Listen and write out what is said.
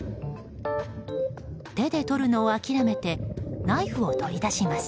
手で取るのを諦めてナイフを取り出します。